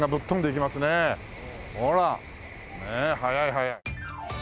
ほら。ねえ速い速い。